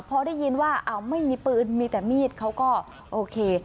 พอได้ยินว่าอ้าวไม่มีปืนมีแต่มีดเขาก็โอเค